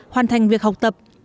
hoàn thành việc học tập